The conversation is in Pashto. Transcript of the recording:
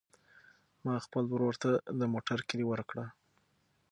ما خپل ورور ته د موټر کیلي ورکړه.